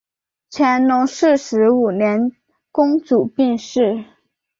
乾隆四十五年公主病逝。